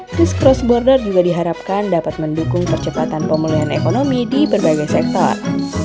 terus cross border juga diharapkan dapat mendukung percepatan pemulihan ekonomi di berbagai sektor